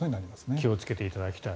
気をつけていただきたい。